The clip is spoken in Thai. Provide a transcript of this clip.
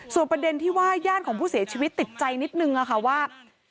ส่วนประเด็นที่ว่าญาติของผู้เสียชีวิตติดใจนิดนึงค่ะว่า